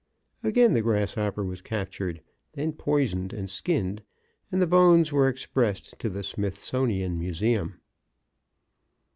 Again the grasshopper was captured, then poisoned and skinned, and the bones were expressed to the Smithsonian Museum.